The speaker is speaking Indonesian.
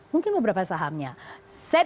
mungkin beberapa sahamnya saya